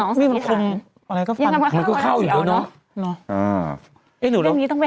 แต่ถ้าเกิดวิมันคนอะไรก็ฟันมันก็เข้าอยู่แล้วเนอะ